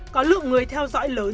có lượng người theo dõi lớn